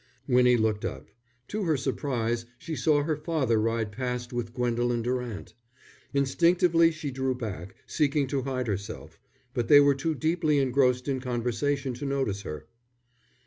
Winnie looked up. To her surprise she saw her father ride past with Gwendolen Durant. Instinctively she drew back, seeking to hide herself; but they were too deeply engrossed in conversation to notice her.